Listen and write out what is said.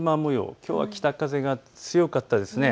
きょうは北風が強かったですね。